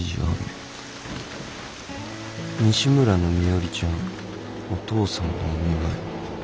西村のみよりちゃんお父さんのお見舞い。